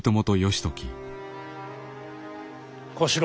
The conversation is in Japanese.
小四郎。